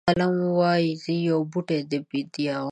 قلم وایي زه یو بوټی د بیدیا وم.